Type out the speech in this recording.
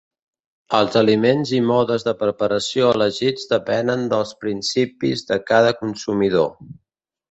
Els aliments i modes de preparació elegits depenen dels principis de cada consumidor.